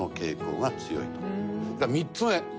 ３つ目。